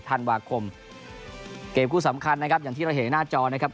ธันวาคมเกมคู่สำคัญนะครับอย่างที่เราเห็นหน้าจอนะครับ